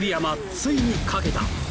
ついに掛けた！